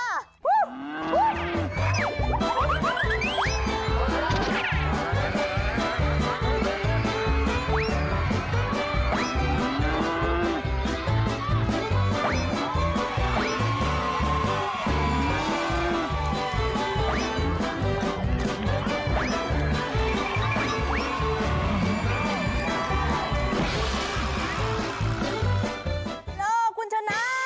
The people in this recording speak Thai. หาร๊อคคุณชนะ